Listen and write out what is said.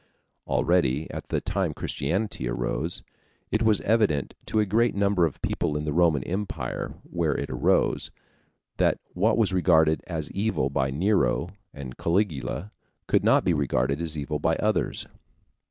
Already at the time Christianity arose, it was evident to a great number of people in the Roman Empire where it arose, that what was regarded as evil by Nero and Caligula could not be regarded as evil by others.